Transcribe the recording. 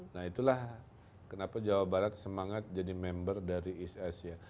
nah itulah kenapa jawa barat semangat jadi member dari eass ya